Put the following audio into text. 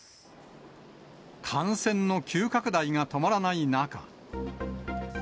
感染の急拡大が止まらない中。